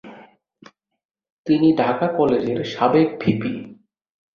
তিনি ঢাকা কলেজের সাবেক ভিপি।